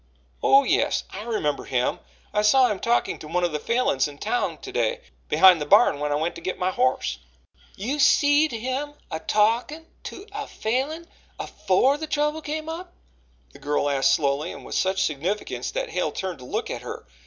"Oh, yes, I remember him. I saw him talking to one of the Falins in town to day, behind the barn, when I went to get my horse." "You seed him a talkin' to a Falin AFORE the trouble come up?" the girl asked slowly and with such significance that Hale turned to look at her.